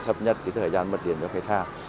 và hạn chế thấp nhất thời gian mất điện cho khách hàng